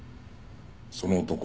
その男